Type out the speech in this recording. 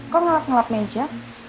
kok ngelap ngelap meja